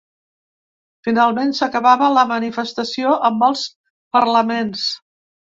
Finalment s’acabava la manifestació amb els parlaments.